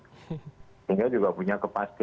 sehingga juga punya kepastian